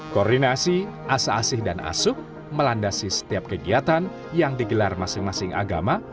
koordinasi asa asih dan asuh melandasi setiap kegiatan yang digelar masing masing agama